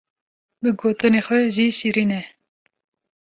bi gotinê xwe jî şêrîn e.